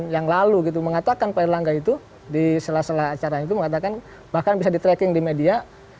yang lalu gitu mengatakan pak erlangga itu di sela sela acara itu mengatakan bahkan bisa di tracking di media